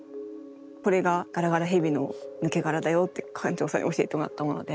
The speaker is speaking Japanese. これがガラガラヘビの抜け殻だよって館長さんに教えてもらったもので。